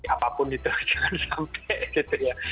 apapun itu jangan sampai gitu ya